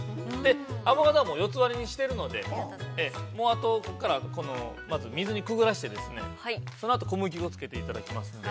アボカドは、四つ割りにしているので、もうあとここから、水にくぐらせて、そのあと小麦粉を付けていただきますので。